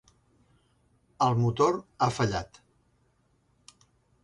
El motor ha fallat.